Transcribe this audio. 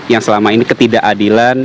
yang selama ini ketidakadilan